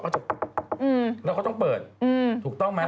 แล้วเขาต้องเปิดถูกต้องไหม